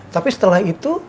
tapi setelah itu